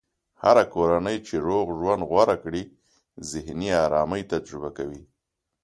هره کورنۍ چې روغ ژوند غوره کړي، ذهني ارامي تجربه کوي.